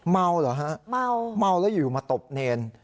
เมาเหรอฮะเมาแล้วอยู่มาตบเนร